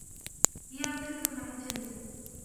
هي لطيفة مع الجميع.